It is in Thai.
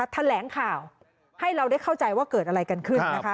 แถลงข่าวให้เราได้เข้าใจว่าเกิดอะไรกันขึ้นนะคะ